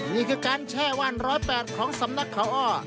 นี่คือการแช่ว่าน๑๐๘ของสำนักเขาอ้อ